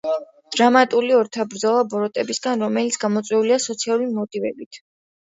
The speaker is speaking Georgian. დრამატული ორთაბრძოლა ბოროტებასთან, რომელიც გამოწვეულია სოციალური მოტივებით.